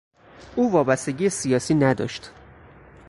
او وابستگی سیاسی نداشت.